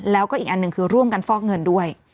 แล้วก็อีกอันหนึ่งคือร่วมกันฟอกเงินด้วย